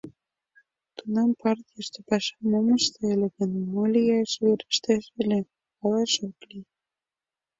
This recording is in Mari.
Тунам партийыште пашам ом ыште ыле гын, мо лияш верештеш ыле — палаш ок лий.